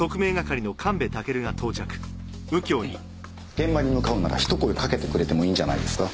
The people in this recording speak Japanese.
現場に向かうならひと声かけてくれてもいいんじゃないですか？